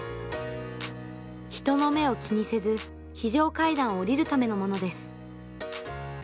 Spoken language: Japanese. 人の目を気にせず非常階段を降りるためのものです。